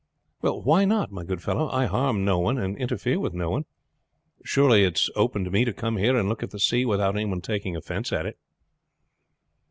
"Why not, my good fellow? I harm no one, and interfere with no one. Surely it is open to me to come here and look at the sea without any one taking offense at it."